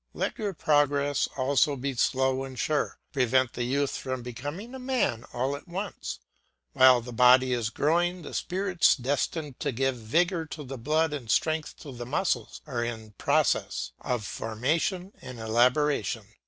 Let your progress also be slow and sure; prevent the youth from becoming a man all at once. While the body is growing the spirits destined to give vigour to the blood and strength to the muscles are in process of formation and elaboration.